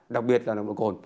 đặc biệt là nồng độ cồn